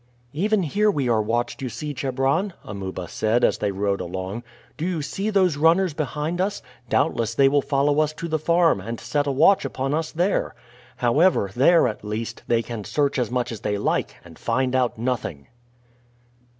"Even here we are watched, you see, Chebron," Amuba said as they rode along. "Do you see those runners behind us? Doubtless they will follow us to the farm, and set a watch upon us there. However, there, at least, they can search as much as they like, and find out nothing."